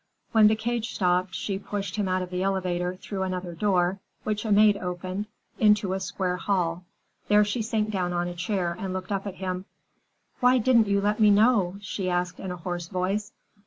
When the cage stopped, she pushed him out of the elevator through another door, which a maid opened, into a square hall. There she sank down on a chair and looked up at him. "Why didn't you let me know?" she asked in a hoarse voice.